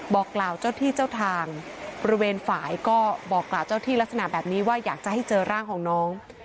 บอกกล่าวเจ้าที่เจ้าทางบริเวณฝ่ายก็บอกกล่าวเจ้าที่ลักษณะแบบนี้ว่าอยากจะให้เจอร่างของน้อง